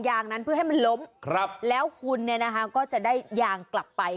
งนั้นเพื่อให้มันล้มครับแล้วคุณเนี่ยนะคะก็จะได้ยางกลับไป